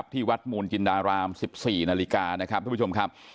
ที่วัดมูลจินดาราม๑๔นาฬิกานะครับทุกผู้ชมครับ